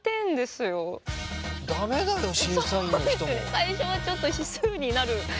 最初はちょっと指数になる。